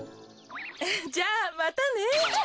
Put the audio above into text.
じゃあまたね。